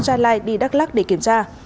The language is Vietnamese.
nha lai đi đắk lóc để kiểm tra